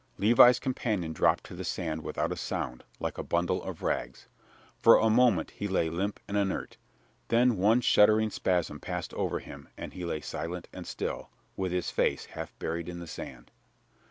Levi's companion dropped to the sand without a sound, like a bundle of rags. For a moment he lay limp and inert; then one shuddering spasm passed over him and he lay silent and still, with his face half buried in the sand.